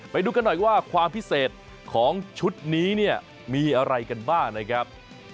ไปดูกันหน่อยว่าความพิเศษของชุดนี้เนี่ยมีอะไรกันบ้างนะครับ